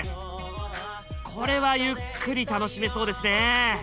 これはゆっくり楽しめそうですね。